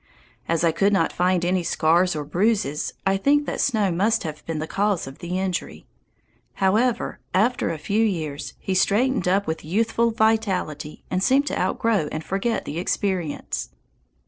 As I could not find any scars or bruises, I think that snow must have been the cause of the injury. However, after a few years he straightened up with youthful vitality and seemed to outgrow and forget the experience.